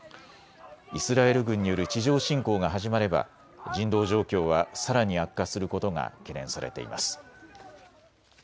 イスラエル軍による地上侵攻が始まれば人道状況はさらに悪化することが懸念されています。